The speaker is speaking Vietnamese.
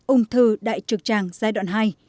ung thư đại trực tràng giai đoạn hai